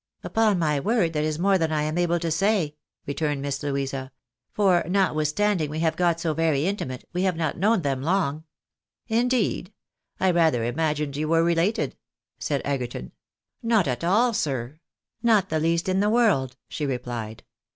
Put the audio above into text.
" Upon my word that is more than I am able to say," returned MISS LOUISA'S SISTERLY COMPLAISANCE. 173 Miss Louisa ;" for, notwitlistanding we liave got so very intimate, weliave not Itnown them long." " Indeed ! I rather imagined you were related," said Egerton. " Not at all, sir ; not the least in the world," she replied.